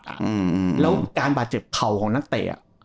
แล้วการบาดเจ็บเข่าของนักเตะ